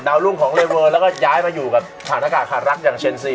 รุ่งของเลเวอร์แล้วก็ย้ายมาอยู่กับฐานอากาศขาดรักอย่างเชนซี